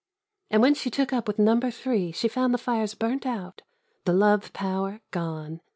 And when she took up with Number Three she found the fires burnt out, the love power, gone.